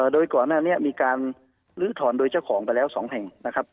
โดยก่อนหน้านี้มีการลื้อถอนโดยเจ้าของไปแล้ว๒แห่งนะครับ